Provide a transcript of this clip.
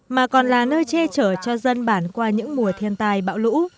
mà còn là nơi che chở cho dân bản qua những mùa thiên tai bão lũ